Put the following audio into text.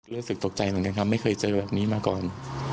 รู้สึกตกใจเหมือนกันครับไม่เคยเจอแบบนี้มาก่อน